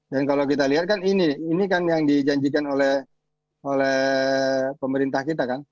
dan kalau kita lihat kan ini ini kan yang dijanjikan oleh pemerintah kita kan